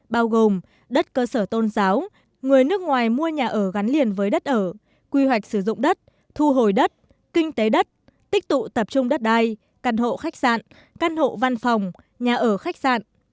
bao gồm đất cơ sở tôn giáo người nước ngoài mua nhà ở gắn liền với đất ở quy hoạch sử dụng đất thu hồi đất kinh tế đất tích tụ tập trung đất đai căn hộ khách sạn căn hộ văn phòng nhà ở khách sạn